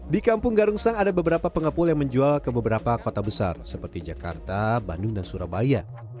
di kampung garungsang ada beberapa pengepul yang menjual ke beberapa kota besar seperti jakarta bandung dan surabaya